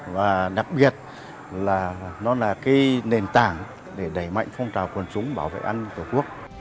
và đặc biệt là nó là cái nền tảng để đẩy mạnh phong trào quần chúng bảo vệ an tổ quốc